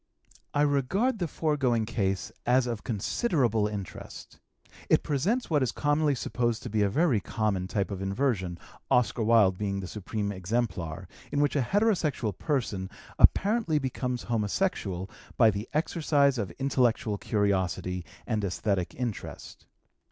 I regard the foregoing case as of considerable interest. It presents what is commonly supposed to be a very common type of inversion, Oscar Wilde being the supreme exemplar, in which a heterosexual person apparently becomes homosexual by the exercise of intellectual curiosity and esthetic interest.